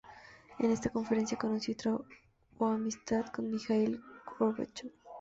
En esta conferencia conoció y trabó amistad con Mijaíl Gorbachov.